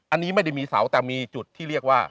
อันนี้ไม่ได้มีเสาแต่มีจุดที่เรียกว่า